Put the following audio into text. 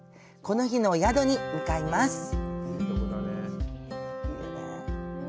この日の宿に向かいます。